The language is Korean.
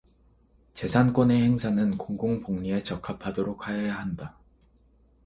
재산권의 행사는 공공복리에 적합하도록 하여야 한다.